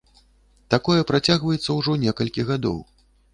Такое працягваецца ўжо некалькі гадоў.